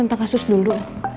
tentang kasus dulu